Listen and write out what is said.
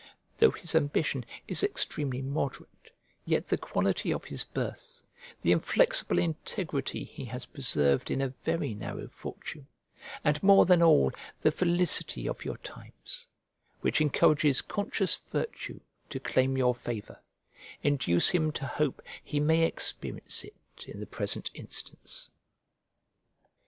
Though his ambition is extremely moderate, yet the quality of his birth, the inflexible integrity he has preserved in a very narrow fortune, and, more than all, the felicity of your times, which encourages conscious virtue to claim your favour, induce him to hope he may experience it in the present instance.